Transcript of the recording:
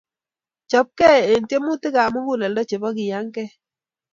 Chopkei eng tiemutikap muguleldo chebo keiyangei